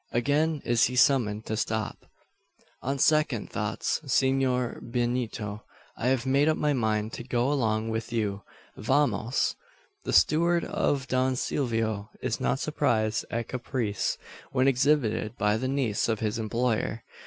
Again is he summoned to stop. "On second thoughts, Senor Benito, I've made up my mind to go along with you. Vamos!" The steward of Don Silvio is not surprised at caprice, when exhibited by the niece of his employer.